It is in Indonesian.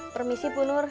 permisi bu nur